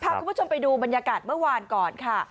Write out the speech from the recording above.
คุณผู้ชมไปดูบรรยากาศเมื่อวานก่อนค่ะ